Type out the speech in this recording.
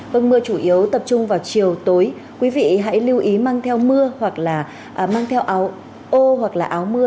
vâng mưa chủ yếu tập trung vào chiều tối quý vị hãy lưu ý mang theo mưa hoặc là mang theo ô hoặc là áo mưa